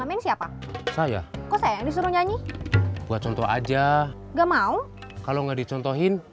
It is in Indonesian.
main siapa saya kok saya disuruh nyanyi buat contoh aja nggak mau kalau nggak dicontohin